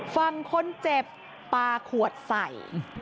ฝั่งคนเจ็บปลาขวดใส่